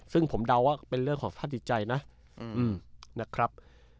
ซึ่งผมเดาว่าเป็นเรื่องของสภาพจิตใจนะนะครับ